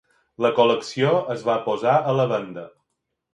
La col·lecció es va posar a la venda.